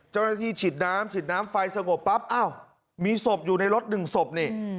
ฉีดน้ำฉีดน้ำไฟสงบปั๊บอ้าวมีศพอยู่ในรถหนึ่งศพนี่